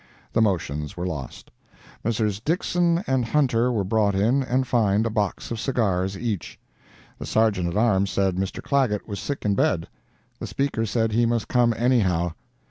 The motions were lost. Messrs. Dixson and Hunter were brought in and fined a box of cigars each. The Sergeant at Arms said Mr. Clagett was sick in bed. The Speaker said he must come anyhow.